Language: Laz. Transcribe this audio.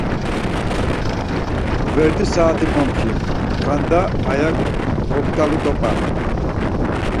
Gverdi saat̆i momçi, skanda aya goktalu dop̆a.